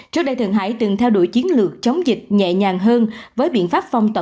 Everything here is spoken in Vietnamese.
trước đây thượng hải từng theo đuổi chiến lược chống dịch nhẹ nhàng hơn với biện pháp phong tỏa